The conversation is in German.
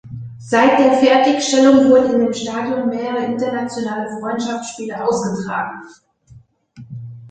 Seit der Fertigstellung wurden in dem Stadion mehrere internationale Freundschaftsspiele ausgetragen.